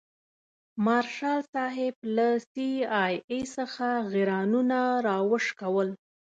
مارشال صاحب له سي آی اې څخه غیرانونه راوشکول.